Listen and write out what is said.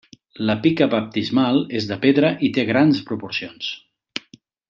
La pica baptismal és de pedra i té grans proporcions.